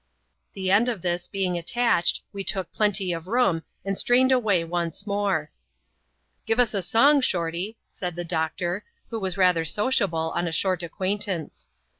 The end of this being attached, we took plenty of room, and strained away once more. Give us a song. Shorty,*' said the doctor, who was rather sociable, on a short acquaintance.